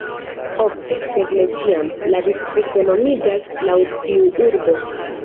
Ofte, sed ne ĉiam, la distrikto nomiĝas laŭ tiu urbo.